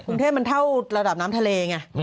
กรุงเทพมันเท่าระดับน้ำทะเลไง